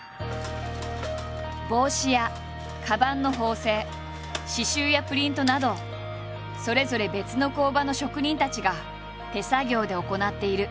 帽子やかばんの縫製刺しゅうやプリントなどそれぞれ別の工場の職人たちが手作業で行っている。